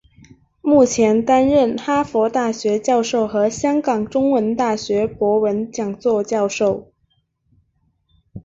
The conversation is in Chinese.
目前担任哈佛大学教授和香港中文大学博文讲座教授。